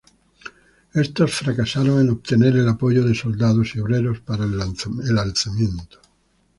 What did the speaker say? Estos fracasaron en obtener el apoyo de soldados y obreros para el alzamiento.